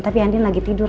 tapi andin lagi tidur